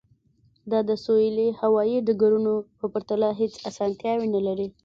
دا د سویلي هوایی ډګرونو په پرتله هیڅ اسانتیاوې نلري